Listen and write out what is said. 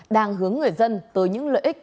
đang hướng người dân tới những lợi ích